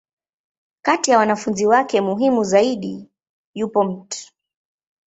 Kati ya wanafunzi wake muhimu zaidi, yupo Mt.